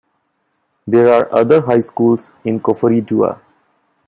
There are other High Schools in Koforidua.